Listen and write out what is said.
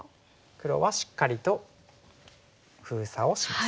黒はしっかりと封鎖をします。